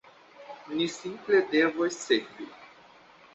Ni simple devos sekvi.